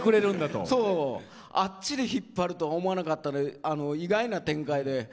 あっちで引っ張るとは思わなかったので意外な展開で。